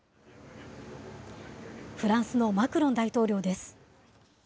フランスのマクロン大統領です。